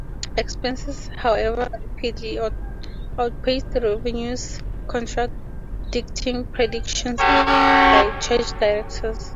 Expenses, however, rapidly outpaced revenues, contradicting predictions by church directors.